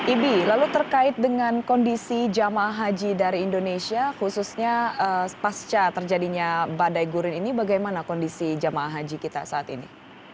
ibi lalu terkait dengan kondisi jemaah haji dari indonesia khususnya pasca terjadinya badai gurun ini bagaimana kondisi jemaah haji kita saat ini